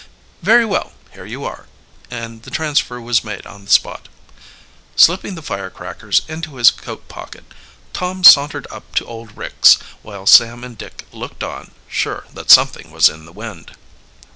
"Very well; here you are," and the transfer was made on the spot. Slipping the firecrackers into his coat pocket, Tom sauntered up to old Ricks, while Sam and Dick looked on, sure that something was in the wind.